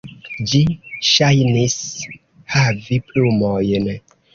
Ĝi ŝajnis havi plumojn.